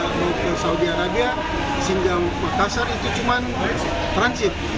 sehingga ketika mereka ke saudi arabia sinjar makassar itu cuma transit